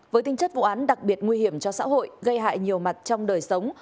với tinh chất vụ án đặc biệt nguy hiểm cho xã hội gây hại nhiều mặt trong đời sống